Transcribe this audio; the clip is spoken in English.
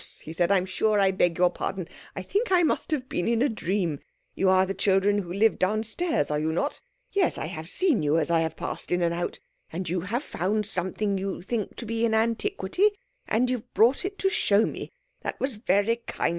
he said. "I'm sure I beg your pardon. I think I must have been in a dream. You are the children who live downstairs, are you not? Yes. I have seen you as I have passed in and out. And you have found something that you think to be an antiquity, and you've brought it to show me? That was very kind.